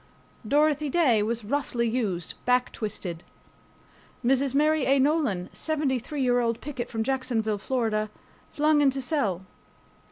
Dorothy Day was roughly used back twisted. Mrs. Mary A. Nolan (73 year old picket from Jacksonville, Florida) flung into cell.